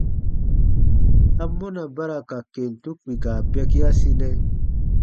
Amɔna ba ra ka kentu kpika bɛkiasinɛ?